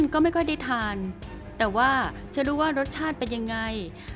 จากภาพอเมียแห่งการเรียนอาหารเข้าใจ